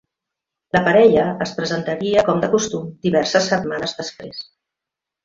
La parella es presentaria com de costum diverses setmanes després.